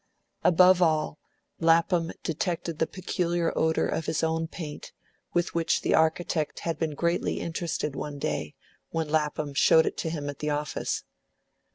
Above all, Lapham detected the peculiar odour of his own paint, with which the architect had been greatly interested one day, when Lapham showed it to him at the office.